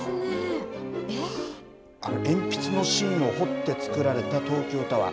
鉛筆の芯を彫って作られた東京タワー。